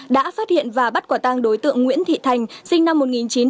đã phát hiện và bắt quả tăng đối tượng nguyễn thị thành sinh năm một nghìn chín trăm tám mươi